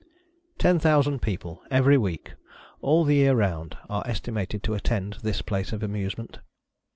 Ten thousand people, every week, all the year round, are estimated to attend this place of amusement.